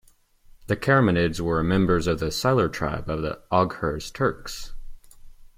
The Karamanids were members of the Salur tribe of Oghuz Turks.